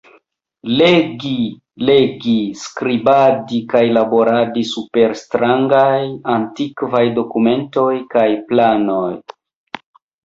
Legi, legi, skribadi kaj laboradi super strangaj, antikvaj dokumentoj kaj planoj.